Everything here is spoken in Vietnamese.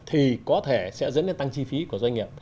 thì có thể sẽ dẫn đến tăng chi phí của doanh nghiệp